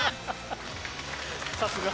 さすが。